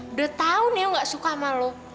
udah tau niu gak suka sama lo